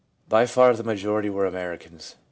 By far the majority were Americans.